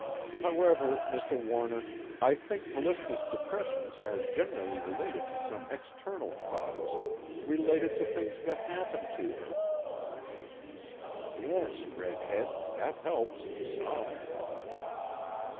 "However, Mr. Warner, I think Callista's depressions are generally related to some external cause. Related to things that happen to her." _Yes, Redhead, that helps some.